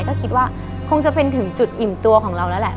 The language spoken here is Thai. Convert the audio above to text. ก็คิดว่าคงจะเป็นถึงจุดอิ่มตัวของเราแล้วแหละ